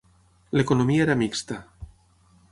L'economia era mixta.